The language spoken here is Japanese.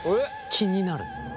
気になる？